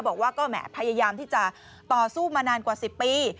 บอกว่าก็แหมพยายามที่จะต่อสู้มานานกว่า๑๐ปี